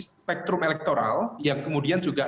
spektrum elektoral yang kemudian juga